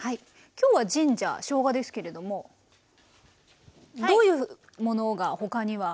今日はジンジャーしょうがですけれどもどういうものが他には？